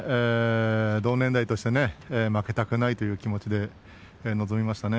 同年代として負けたくないという気持ちで臨みましたね。